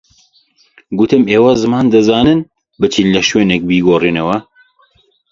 گوتم ئێوە زمان دەزانن، بچن لە شوێنێک بیگۆڕنەوە